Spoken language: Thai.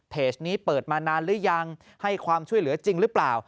นี้เปิดมานานหรือยังให้ความช่วยเหลือจริงหรือเปล่า